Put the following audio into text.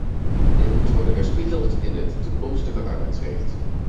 Dit moet worden weerspiegeld in het toekomstige arbeidsrecht.